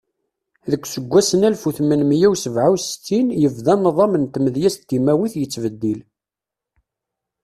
Deg useggas n walef u tmenmiya u sebɛa U settin, yebda nḍam n tmedyazt timawit yettbeddil.